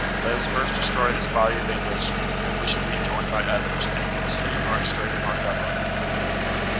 Let us first destroy this body of English, then we shall be joined by others, and can soon march straight upon Dublin."